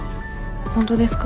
本当ですか？